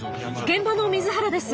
「現場の瑞原です。